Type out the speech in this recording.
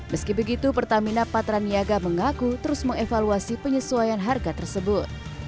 meski begitu pertamina patra niaga mengaku terus mengevaluasi penyesuaian harga tersebut